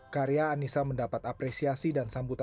karya anissa mendapat apresiasi dan sambutan